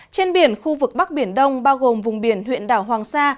trên biển khu vực bắc biển đông bao gồm vùng biển huyện đảo hoàng sa